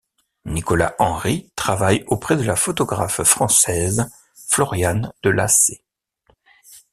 Nicolas Henry travaille auprès de la photographe française Floriane de Lassée.